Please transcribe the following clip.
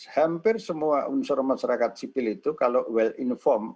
hampir semua unsur masyarakat sipil itu kalau well informed